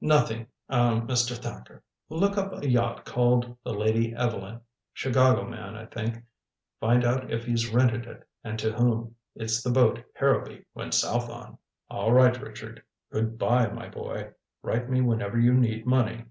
"Nothing er Mr. Thacker. Look up a yacht called the Lady Evelyn. Chicago man, I think find out if he's rented it, and to whom. It's the boat Harrowby went south on." "All right, Richard. Good by, my boy. Write me whenever you need money."